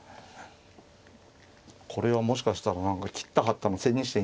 これはもしかしたら切った張ったの千日手に。